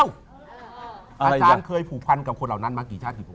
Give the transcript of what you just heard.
อาจารย์เคยผูกพันกับคนเหล่านั้นมากี่ชาติกี่คน